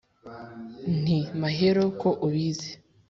nti: mahero ko ubizi